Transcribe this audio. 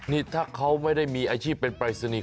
นี่ถ้าเขาไม่ได้มีอาชีพเป็นปรายศนีย์